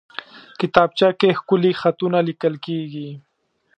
کتابچه کې ښکلي خطونه لیکل کېږي